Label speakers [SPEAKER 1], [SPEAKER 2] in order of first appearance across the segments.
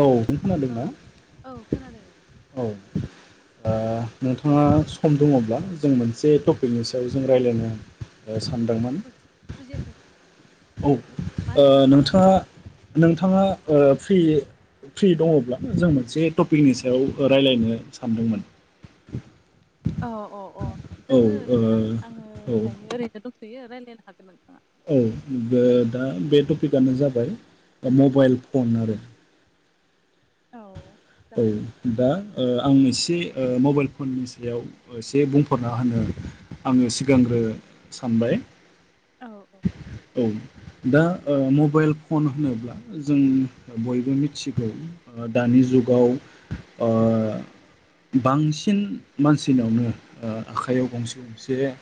[SPEAKER 1] औ नों
[SPEAKER 2] औ
[SPEAKER 1] खोनादोंना?
[SPEAKER 2] औ खोनादों
[SPEAKER 1] औ ओ नोंथाङा सम दङब्ला जों मोनसे टपि कनि सायाव जों रायज्लायनो सानदोंमोन।
[SPEAKER 2] बुजि-बुजियाखै
[SPEAKER 1] औ
[SPEAKER 2] मा
[SPEAKER 1] ओ
[SPEAKER 2] होनदोंमोन नोंथां?
[SPEAKER 1] नोंथाङा नोंथाङा ओ फ्रि फ्रि दङ'ब्ला जों मोनसे टपिकनि सायाव रायज्लायनो सानदोंमोन।
[SPEAKER 2] अ अ अ
[SPEAKER 1] औ
[SPEAKER 2] दोङो
[SPEAKER 1] ओ
[SPEAKER 2] नोंथां आङो
[SPEAKER 1] औ
[SPEAKER 2] दायो ओरैनो दंथ'यो रायलायनो हागोन नोंथाङा।
[SPEAKER 1] औ ओ दा बे टपिकआनो जाबाय मबाइल फन आरो।
[SPEAKER 2] औ।
[SPEAKER 1] औ
[SPEAKER 2] जागोन
[SPEAKER 1] दा ओ आं एसे ओ मबाइल फननि सायाव ओ एसे बुंफोरना होनो आङो सिगांग्रो सानबाय।
[SPEAKER 2] औ औ।
[SPEAKER 1] औ। दा ओ मबाइल फन होनोब्ला जों बयबो मिथिगौ ओ दानि जुगाव ओ बांसिन मानसिनावनो आखाइयाव ओ गंसे गंसे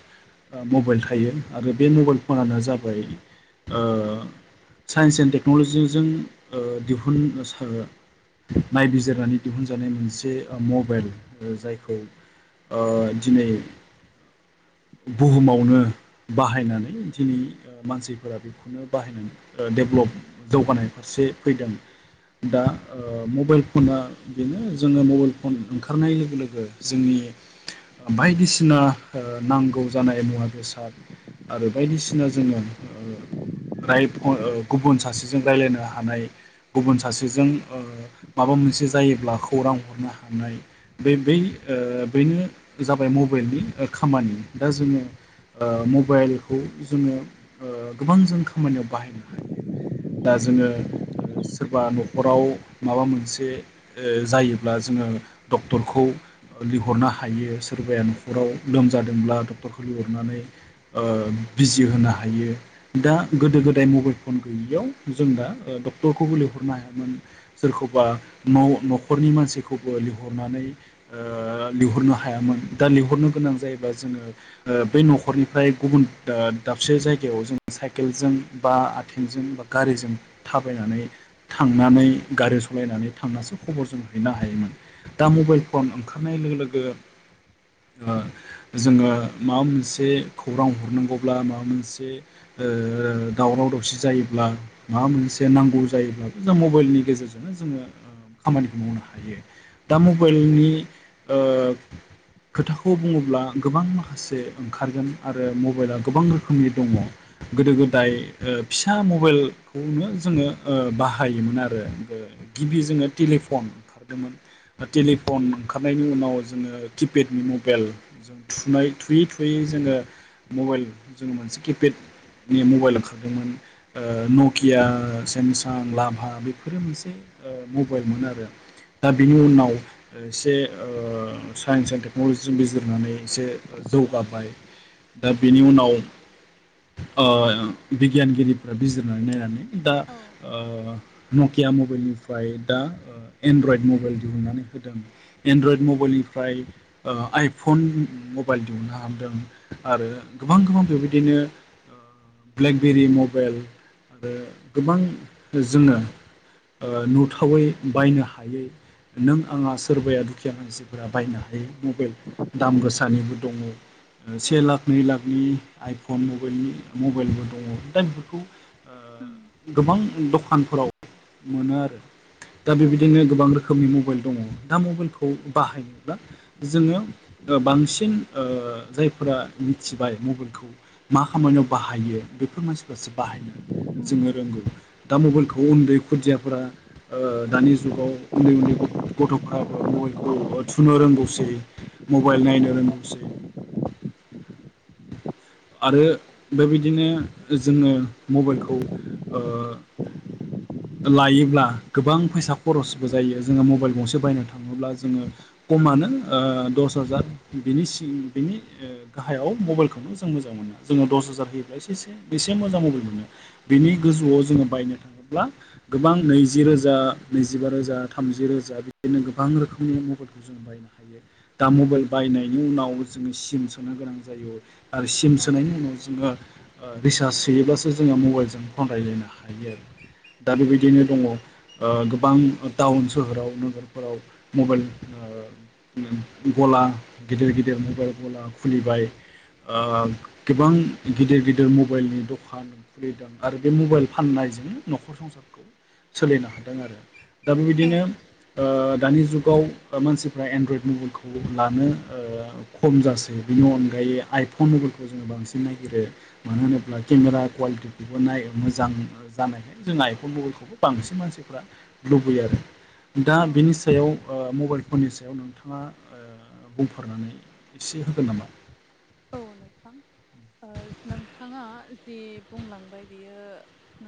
[SPEAKER 1] ओ मबाइल थायो आरो बे मबाइल फनानो जाबाय ओ साइन्स एन्ड टेक्न'लजिजों ओ दिहुन नायबिजिरनानै दिहुनजानाय मोनसे मबाइल। जायखौ ओ दिनै बुहुमावनो
[SPEAKER 2] औ
[SPEAKER 1] बाहायनानै दिनि ओ मानसिफोरा बेखौनो बाहायनानै ओ डेभलप जौगानाय फारसे फैदों। दा ओ मबाइल फना बेनो जोङो मबाइल फन ओंखारनाय लोगो लोगो जोंनि बायदिसिना ओ नांगौ जानाय मुवा बेसाद आरो बायदिसिना जोङो ओ राय फन गुबुन सासेजों रायज्लायनो हानाय गुबुन सासेजों ओ माबा मोनसे जायोब्ला खौरां हरनो हानाय। बे बै ओ बेनो जाबाय मबाइलनि ओ खामानि दा जोङो ओ मबाइलखौ जोङो ओ गोबां जों खामानियाव बाहायनो हायो। दा जोङो ओ सोरबा न'खराव माबा मोन से जायोब्ला जोङो डक्टरखौ लिंहरनो हायो सोरबाया
[SPEAKER 2] औ
[SPEAKER 1] न'खराव लोमजादोंब्ला डक्टरखौ लिंहरनानै ओ बिजि होनो हायो दा गोदो गोदाय मबाइल फन गैयियाव जों दा डक्टरखौबो लिंहरनो हायामोन सोरखौबा न' न'खरनि मानसिखौबो लिंहरनानै ओ लिंहरनो हायामोन दा लिंहरनो गोनां जायोब्ला जोङो ओ बै
[SPEAKER 2] औ
[SPEAKER 1] न'खरनिफ्राय गुबुन दा दाबसे जायगायाव जोङो साइकेलजों बा आथिंजों बा गारिजों थाबायनानै थांनानै गारि सलायनानै थांनासो खबर जों हैनो हायोमोन दा मबाइल फन ओंखारनाय लोगो लोगो ओ जोङो माबा मोनसे खौरां हरनांगौब्ला माबा मोनसे ओ ओ दावराव दावसि जायोब्ला माबा मोनसे नांगौ जायोब्लाबो जों मबाइलनि गेजेरजोंनो जोङो खामानिखौ मावनो हायो दा मबाइलनि ओ खोथाखौ बुङोब्ला गोबां माखा एसे ओंखारगोन आरो मबाइला गोबां रोखोमनि दङ गोदो गोदाय फिसा मबाइल खौनो जोङो बाहायोमोन आरो गिबि जोङो टेलिफन ओंखारदोंमोन टेलिफन ओंखारनायनि उनाव जोङो किपेडनि मबाइल थुनाय थुयै थुयै जोङो मबाइल जोङो मोनसे किपेड नि मबाइल ओंखारदोंमोन नकिया सेमसां लाभा बेफोरो मोनसे मबाइल मोनो आरो दा बिनि उनाव एसे साइन्स एन्ड टेक्न'लजिजों बिजिरनानै मोनसे जौगाबाय दा बेनि उनाव बिगियानगिरिफ्रा बिजिरनानै नायनानै दा नकिया मबाइलनिफ्राय दा एनड्रइड मबाइल दिहुननानै होदों एन्ड्रयड मबाइलनिफ्राय आइफन मबाइल दिहुननो हादों आरो गोबां गोबां बेबायदिनो ब्लेकबेरि मबाइेल आरो गोबां जोंनो ओ नुथावै बायनो हायै नों आंहा सोरबाया दुखिया मानसिफोरा बायनो हायो मबाइल दाम गोसानिबो दङ
[SPEAKER 2] औ
[SPEAKER 1] से लाख नै लाखनि आइफन मबाइलनि मबाइलबो दङ दा बेफोरखौ
[SPEAKER 2] उम
[SPEAKER 1] गोबां दखानफोराव मोनो आरो दा
[SPEAKER 2] औ
[SPEAKER 1] बेबायदिनो गोबां रोखोमनि मबाइल दङ दा मबाइलखौ बाहायनो बा जोङो बांसिन जायफोरा मिथिबाय मबाइलखौ मा खामानियाव बाहायो बेफोर मानसिफ्रासो बाहायो जोङो रोंगौ दा मबाइलखौ उन्दै खुदियाफोरा दानि जुगाव उन्दै उन्दै गथ'फोराबो मबाइलखौ थुनो रोंगौसै मबाइल नायनो रोंगौसै
[SPEAKER 2] [inaudible]
[SPEAKER 1] आरो बेबायदिनो जोङो मबाइलखौ ओ लायोब्ला गोबां फैसा खरसबो जायो जोङो मबाइल गंसे बायनो थाङोब्ला जोङो खमानो दस हाजार बिनिसिम बिनि ओ गाहायाव मबाइलखौनो जों मोजां मोनो जोङो दस हाजार होयोब्ला एसे से बेसे मोजां मबाइल मोनो बिनि गोजौआव जोङो बायनो थाङो ब्ला गोबां नैज रोजा नैजिबा रोजा थामजि रोजा बिदिनो गोबां रोखोमनि मबाइल जों बायनो हायो दा मबाइल बायनायनि उनाव जोङो सिम सोनो गोनां जायो आरो सिम
[SPEAKER 2] औ
[SPEAKER 1] सोनायनि उनाव जोङो रिसार्ज सोयोब्लासो जोङो मबाइलजों फन रायलायनो हायो। दा बेबायदिनो दङ गोबां टाउन सोहोराव नोगोरफोराव मबाइल गला गिदिर गिदिर मबाइल गला खुलिबाय ओ गोबां गिदिर गिदिर मबाइलनि दखान खुलिदों आरो बे मबाइल फाननायजों न'खर संसारखौ सोलिनो हादों आरो दा बेबायदिनो ओ दानि जुगाव मानसिफ्रा एनड्रइड मबाइलखौ लानो खम जासै बिनि अनगायै आइफन मबाइलखौ जोङो बांसिन नायागिरो। मानो होनोब्ला केमेरा कुवालिटिखौबो नायो मोजां जानायखाय जों आइफन मबाइलखौबो बांसिन मानसिफ्रा लुबैयो आरो। दा
[SPEAKER 2] औ
[SPEAKER 1] बिनि सायाव मबाइल फननि सायाव नोंथाङा ओ बुंफोरनानै एसे होगोन नामा?
[SPEAKER 2] औ नोंथां नोंथाङा जि बुंलांबाय बियो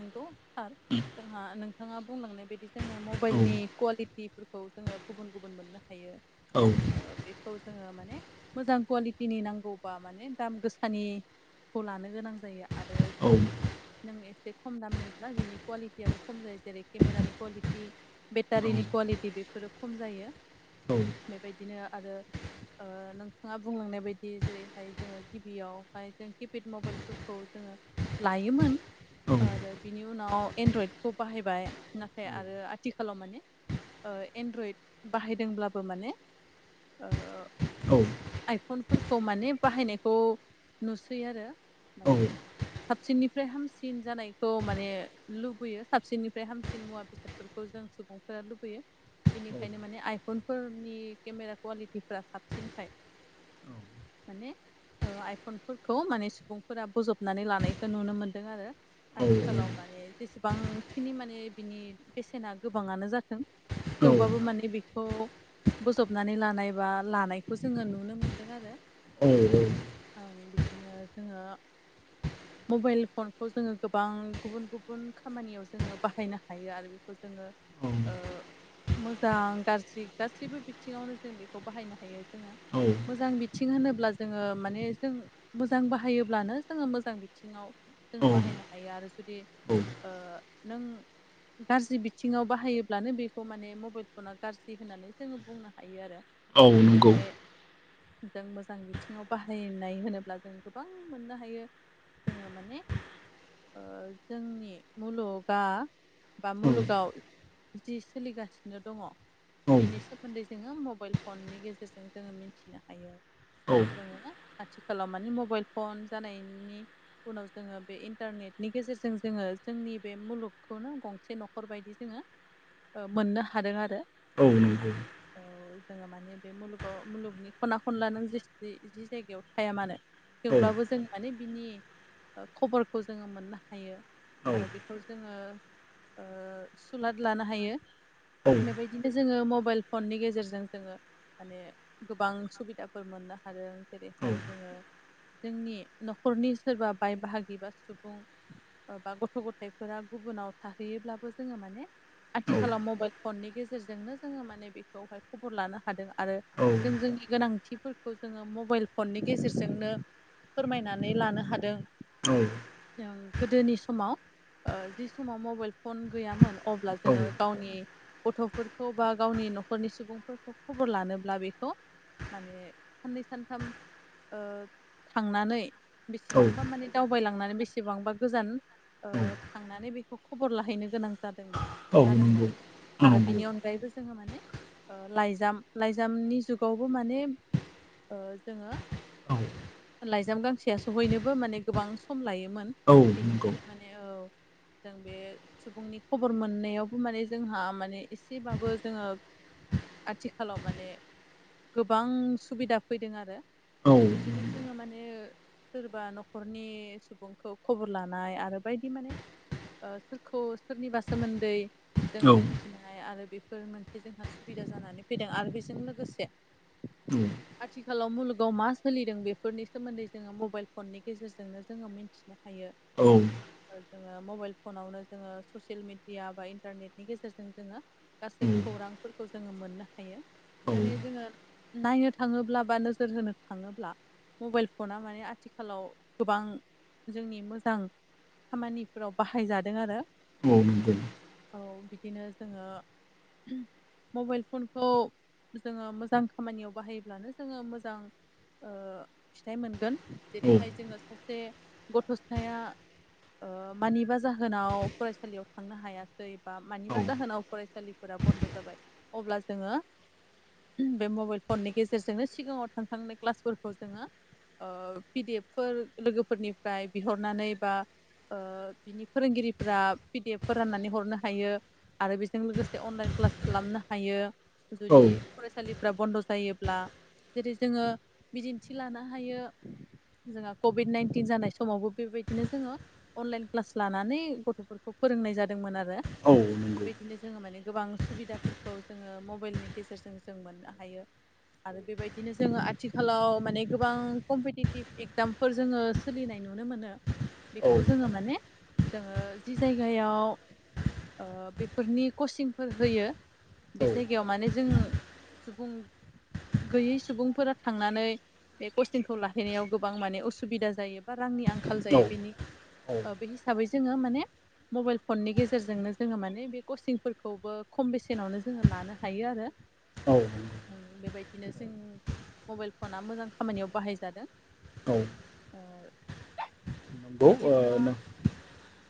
[SPEAKER 2] नंगौ सार जोंहा नोंथाङा बुंलांनाय बायदि जोङो
[SPEAKER 1] औ
[SPEAKER 2] मबाइलनि कुवालिटि फोरखौ जोङो गुबुन गुबुन मोननो हायो।
[SPEAKER 1] औ
[SPEAKER 2] बेखौ जोङो माने मोजां कुवालिटिनि नांगौ बा माने दाम गोसानिखौ लानो गोनां जायो आरो
[SPEAKER 1] औ
[SPEAKER 2] जुदि नों एसे खम दामनिब्ला बिनि कुवालिटियाबो खम जायो। जेरै केमेरानि कुवालिटि
[SPEAKER 1] औ
[SPEAKER 2] बेटारिनि क्वालिटि बेफोरो खम जायो।
[SPEAKER 1] औ
[SPEAKER 2] बेबायदिनो आरो ओ नोंथाङा बुंलांनाय बायदि जेरैहाय जोङो गिबियावहाय जों किपेड मबाइलफोरखौ जोङो लायोमोन।
[SPEAKER 1] औ
[SPEAKER 2] आरो बिनि उनाव एनड्रयडखौ बाहायबाय नाथाय आरो आथिखालाव माने एन्ड्रइड बाहायदोंब्लाबो माने ओ आइफनफोरखौ माने बाहायनायखौ नुसै आरो माने
[SPEAKER 1] औ
[SPEAKER 2] साबसिननिफ्राय हामसिन जानायखौ माने लुबैयो साबसिननिफ्राय हामसिन मुवा बे बेफोरखौ जों सुबुंफोरा लुबैयो। बेनिखायनो माने आइफनफोरनि केमेरा कुवालिटिफ साबसिनखाय माने आइफनफोरखौ माने सुबुंफोरा बोजबनानै लानायखौ नुनो मोनदों आरो।
[SPEAKER 1] औ
[SPEAKER 2] आथिखालाव माने जेसेबांखिनि माने बिनि बेसेना गोबाङानो जाथों थेवबाबो माने बे खौ बोजबनानै लानाय बा लानायखौ जोङो नुनो मोनदों आरो।
[SPEAKER 1] औ नंगौ
[SPEAKER 2] ओं बिदिनो जोङो मबाइल फनखौ जोङो गोबां गुबुन गुबुन खामानियाव जोङो बाहायनो हायो आरो। बेखौ जोङो मोजां गाज्रि गासैबो बिथिङावनो जों बेखौ बाहायनो हायो जोङो।
[SPEAKER 1] औ
[SPEAKER 2] मोजां बिथिं होनोब्ला जोङो माने जों मोजां बाहायोब्लानो जोङो मोजां बिथिङाव जोङो बाहायनो हायो आरो जुदि
[SPEAKER 1] औ
[SPEAKER 2] नों गाज्रि बिथिङाव बाहायोब्लानो बेखौ माने मबाइल फना गाज्रि होननानै जोङो बुंनो हायो आरो
[SPEAKER 1] औ नंगौ
[SPEAKER 2] जेरैहाय जों मोजां बिथिङाव बाहायनाय होनोब्ला जों गोबां मोननो हायो। जोङो माने जोंनि मुलुगा बा
[SPEAKER 1] औ
[SPEAKER 2] मुलुगाव जि सोलिगासिनो दङ
[SPEAKER 1] औ
[SPEAKER 2] बेनि सोमोन्दै जोङो मबाइल फननि गेजेरजों जोङो मिथिनो हायो
[SPEAKER 1] औ
[SPEAKER 2] दा जोङो आथिखालाव मानिे मबाइल फन जानायनि उनाव जोङो बे इन्टारनेटनि गेजेरजों जोङो जोंनि बे मुलुगखौनो गंसे न'खर फोरबायायदि जोङो मोननो हादों आरो
[SPEAKER 1] औ नंगौ
[SPEAKER 2] औ जोङो माने बे मुलुगाव मुलुगनि खना खनला नों जेसे जि जायगायाव थाया मानो
[SPEAKER 1] औ
[SPEAKER 2] थेवब्लाबो जों माने बिनि खबरखौ जोङो मोननो हायो आरो बेखौ जोङो सुलाद लानो हायो
[SPEAKER 1] औ
[SPEAKER 2] बेबायदिनो जोङो मबाइल फननि गेजेरजों जोङो माने गोबां सुबिदाफोर मोननो हादों जेरैहाय जोङो जोंनि न'खरनि सोरबा बाय बाहागि बा सुबुं बा गथ' गथायाइफोरा गुबुनाव थाहैयोब्लाबो जोङो माने
[SPEAKER 1] औ
[SPEAKER 2] आथिखालाव मबाइल फननि गेजेरजोंनो जोङो माने बेखौहाय खबर लानो हादों आरो
[SPEAKER 1] औ
[SPEAKER 2] जों जोंनि गोनांथिफोरखौ जोङो मबाइल फननि गेजेरजोंनो फोरमायनानै लानो हादों
[SPEAKER 1] औ
[SPEAKER 2] जों गोदोनि समाव जि समाव मबाइल फन गैयामोन अब्ला
[SPEAKER 1] औ
[SPEAKER 2] जोङो गावनि गथ'फोरखौ बा गावनि न'खरनि सुबुंफोरखौ खबर लानोब्ला बेखौ माने साननै सानथाम थांनानै
[SPEAKER 1] औ
[SPEAKER 2] बेसेबांबा माने दावबायलांनानै बेसेबांबा गोजान
[SPEAKER 1] औ
[SPEAKER 2] थांनानै बेखौ खबर लाहैनो गोनां जादोंमोन
[SPEAKER 1] औ
[SPEAKER 2] जादोंमोन
[SPEAKER 1] नंगौ
[SPEAKER 2] आरो
[SPEAKER 1] नंगौ
[SPEAKER 2] बिनि अनगायैबो जोो माने लाइजाम लाइजामनि जुावबो म माने जोङो
[SPEAKER 1] औ
[SPEAKER 2] लाइजाम गांसेयासो हयनोबो माने गोबां सम लायोमोन
[SPEAKER 1] औ नंगौ
[SPEAKER 2] बेनिखायनो माने औ जों बे सुबुंनि खबर मोननायावबो माने जोंहा माने एसेबाबो जोङो आथिखालाव माने गोबां सुबिदा फैदों आरो
[SPEAKER 1] औ
[SPEAKER 2] बिदिनो जोङो माने सोरबा न'खरनि सुबुंखौ खबर लानाय आरो बायदि माने सोरखौ सोरनिबा सोमोन्दै
[SPEAKER 1] औ
[SPEAKER 2] जोङो मिथिनाय आरो बेफोर मोनसे जोंहा सुबिदा जानानै फैदों आरो बेजों लोगोसे
[SPEAKER 1] [inaudible]
[SPEAKER 2] आथिखालाव मुलुगाव मा सोलिदों बेफोरनि सोमोन्दै जोङो मबाइल फननि गेजेरजोंनो जोङो मिथि नोहायो
[SPEAKER 1] औ
[SPEAKER 2] जोङो मबाइल फनावनो जोङो ससियेल मिेडिया बा इन्टारनेटनि गेजेरजों जोङो गासै खौरांफोरखौ जोङो मोननो हायो माने जोङो नायनो थाङोब्ला बा नोजोर होनो थाङोब्ला मबाइल फना माने आथिखालाव गोबां जोंनि मोजां खामानिफोराव बाहायजादों आरो
[SPEAKER 1] औ नंगौ
[SPEAKER 2] औ बिदिनो जोङो मबाइल फनखौ जोङो मोजां खामानियाव बाहायोब्लानो जोङो मोजां फिथाइ मोनगोन
[SPEAKER 1] औ
[SPEAKER 2] जेरैहाय जोङो सासे गथ'सथायाया मानिबा जाहोनाव फरायसालियाव थांनो हाया जैबा
[SPEAKER 1] औ
[SPEAKER 2] मानिबा जाहोनाव फरायसालिफोरा बन्द' जाबाय अब्ला जोङो बे मबाइल फननि गेजेरजोंनो सिगाङाव थांखांनाय क्लासफोरखौ जोङो पि डि एफ फोर लोगोफोरनिफ्राय बिहरनानै बा बिनि फोरोंगिरिफोरा पि डि एफ फोर राननानै हरनो हायो आरो बेजों लोगोसे अनलाइन क्लास खालामनो हायो
[SPEAKER 1] औ
[SPEAKER 2] जुदि फरायसालि फ्रा बन्द' जायोब्ला जेरै जोङो बिदिन्थि लानो हायो जोंहा कभिड नाइनटिन जानाय समावबो बेबायदिनो जोङो अनलाइन क्लास लानानै गथ'फोरखौ फोरोंनाय जादोंमोन आरो
[SPEAKER 1] औ नंगौ औ नंगौ औ नंगौ औ
[SPEAKER 2] बेबायदिनो जोङो माने गोबां सुबिदाफोरखौ जोङो मबाइलनि गेजेरजों जों मोननो हायो आरो बेबायदिनो जोङो आथिखालाव माने गोबां कम्पिटिटिभ एग्जामफोर जोङो सोलिनाय नुनो मोनो बेखौ जोङो माने जोङो जि जायगायाव बेफोरनि कचिंफोर होयो बे जायगायाव माने जों सुबुं गैयै सुबुंफोरा थांनानै बे कसिंखौ लाहैनायाव गोबां माने असुबिदा जायो बा रांनि आं खाल
[SPEAKER 1] औ
[SPEAKER 2] जायो बेनि बे हिसाबै जोङो माने मबाइल फननि गेजेरजोंनो जोङो माने बे कचिंफोरखौबो खम बेसेनावनो जोङो लानो हायो आरो
[SPEAKER 1] औ
[SPEAKER 2] ओ बेबायदिनो जों मबाइल फना मोजां खामानियाव बाहायजादों
[SPEAKER 1] औ
[SPEAKER 2] ओ [unintelligible] बिदिब्ला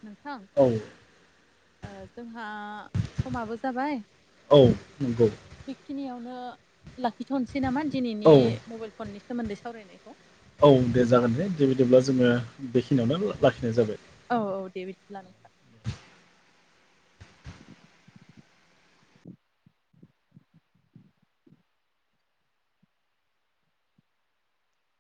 [SPEAKER 2] नोंथां जोंहा समाबो जाबाय
[SPEAKER 1] औ नंगौ
[SPEAKER 2] बेखिनियावनो लाखिथ'नसै नामा दिनैनि मबाइल फननि सोमोन्दै सावरायनायखौ
[SPEAKER 1] औ दे जागोन दे दे बिदिब्ला जोङो बेखिनियावनो लाखिनाय जाबाय
[SPEAKER 2] औ औ दे बिदिब्ला [inaudible]